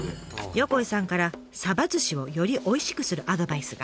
横井さんから寿司をよりおいしくするアドバイスが。